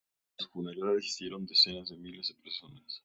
A su funeral asistieron decenas de miles de personas.